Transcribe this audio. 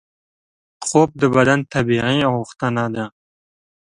خوب د بدن طبیعي غوښتنه ده